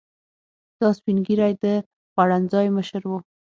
دا سپین ږیری د خوړنځای مشر و.